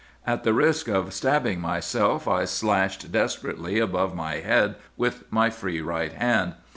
"'At the risk of stabbing myself, I slashed desperately above my head with my free right hand.